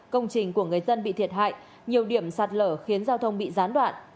công trình của người dân bị thiệt hại nhiều điểm sạt lở khiến giao thông bị gián đoạn